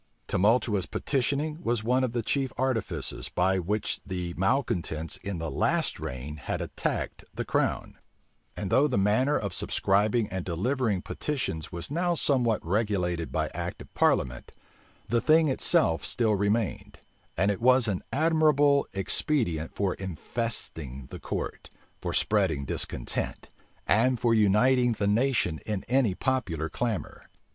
Tumultuous petitioning was one of the chief artifices by which the malecontents in the last reign had attacked the own: and though the manner of subscribing and delivering petitions was now somewhat regulated by act of parliament, the thing itself still remained; and was an admirable expedient for infesting the court, for spreading discontent, and for uniting the nation in any popular clamor.